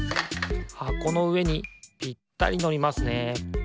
はこのうえにぴったりのりますね。